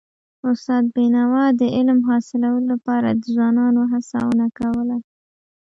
استاد بينوا د علم حاصلولو لپاره د ځوانانو هڅونه کوله.